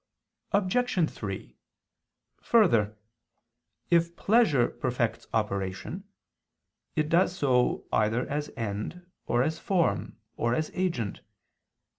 Obj. 3: Further, if pleasure perfects operation, it does so either as end, or as form, or as agent.